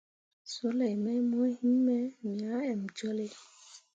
Sulei mai mo yinme, me ah emjolle.